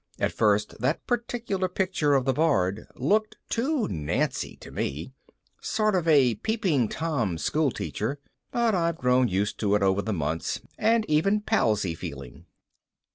At first that particular picture of the Bard looked too nancy to me a sort of peeping tom schoolteacher but I've grown used to it over the months and even palsy feeling.